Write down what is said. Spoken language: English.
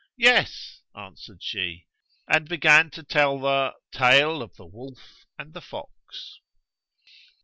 "Yes," answered she, and began to tell the TALE OF THE WOLF AND THE FOX.